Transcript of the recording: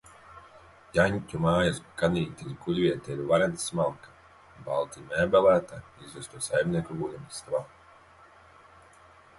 Janķu mājas ganītes guļvieta ir varen smalka, balti mēbelētā izvesto saimnieku guļamistabā.